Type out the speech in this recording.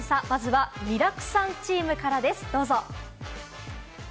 まずは、ミラクさんチームからです。